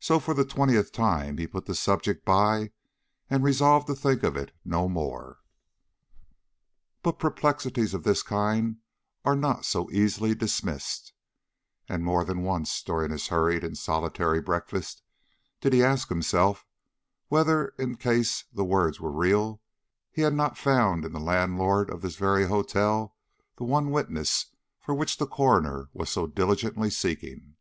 So, for the twentieth time, he put the subject by and resolved to think of it no more. But perplexities of this kind are not so easily dismissed, and more than once during his hurried and solitary breakfast, did he ask himself whether, in case the words were real, he had not found in the landlord of this very hotel the one witness for which the coroner was so diligently seeking.